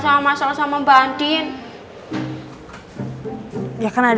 itu kan mas al kesakitan lagi pasti karena kejatuhan tadi